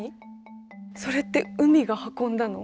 それって海が運んだの？